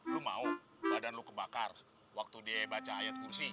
lu mau badan lo kebakar waktu dia baca ayat kursi